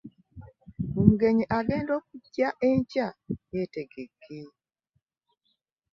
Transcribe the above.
Omugenyi agenda okujja enkya yeetegeke.